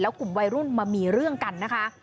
กลุ่มวัยรุ่นมามีเรื่องกันนะคะ